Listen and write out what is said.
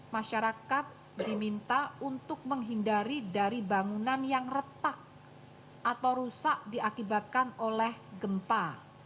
masyarakat diminta untuk menghindari dari bangunan yang retak atau rusak diakibatkan oleh gempa